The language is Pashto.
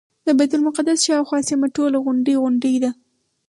د بیت المقدس شاوخوا سیمه ټوله غونډۍ غونډۍ ده.